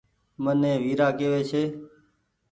مني ويرآ ڪيوي ڇي